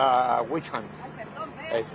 ini hanya sebuah kisah